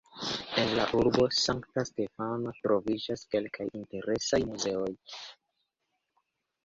En la urbo Sankta Stefano troviĝas kelkaj interesaj muzeoj.